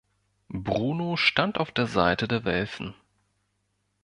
Bruno stand auf der Seite der Welfen.